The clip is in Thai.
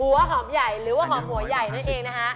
หอมใหญ่หรือว่าหอมหัวใหญ่นั่นเองนะคะ